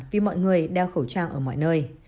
vì mọi người đeo khẩu trang ở mọi nơi